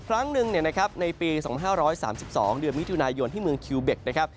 ครั้งหนึ่งในปี๒๕๓๒เดือนมิถุนายนที่เมืองคิวเบ็กนะครับ